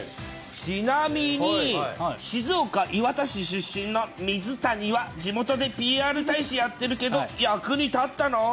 ちなみに、静岡・磐田市出身の水谷は、地元でＰＲ大使やってるけど、役に立ったの？